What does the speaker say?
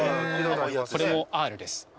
これもＲです。